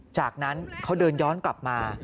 จากนั้นเขาเดินย้อนกลับมา